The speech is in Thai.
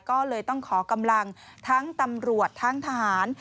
ก็เลยต้องขอกำลังทั้งตำรวจทั้งทหาร